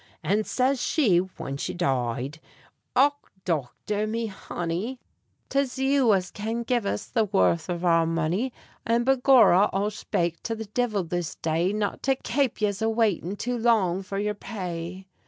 And says she (whin she died), "Och, dochther, me honey, 'Tis you as can give us the worth av our money; And begorra, I'll shpake to the divil this day Not to kape yez a waitin' too long for yer pay."